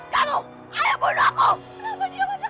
kamu ayo bunuh aku